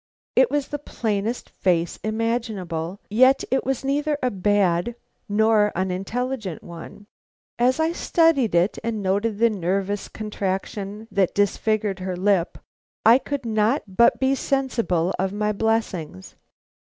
It was the plainest face imaginable, yet it was neither a bad nor unintelligent one. As I studied it and noted the nervous contraction that disfigured her lip, I could not but be sensible of my blessings.